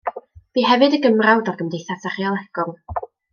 Bu hefyd yn Gymrawd o'r Gymdeithas Archeolegol.